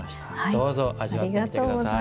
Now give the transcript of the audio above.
どうぞ味わってください。